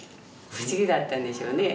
不思議だったんでしょうね